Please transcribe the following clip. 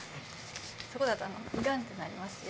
そこだとガンってなりますよ。